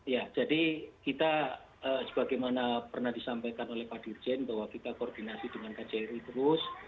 ya jadi kita sebagaimana pernah disampaikan oleh pak dirjen bahwa kita koordinasi dengan kjri terus